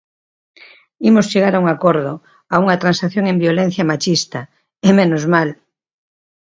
Imos chegar a un acordo, a unha transacción en violencia machista, ¡e menos mal!